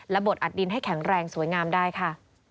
บดอัดดินให้แข็งแรงสวยงามได้ค่ะ